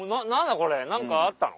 これ何かあったの？」。